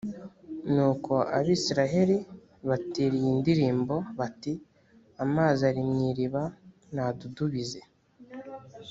nuko abayisraheli batera iyi ndirimbo, bati amazi ari mu iriba nadudubize.